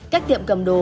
cách tiệm cầm đồ